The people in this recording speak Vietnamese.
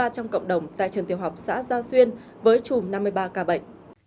trong cộng đồng tại trường tiểu học xã giao xuyên với chùm năm mươi ba ca bệnh